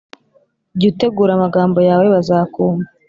Jya utegura amagambo yawe, bazakumva,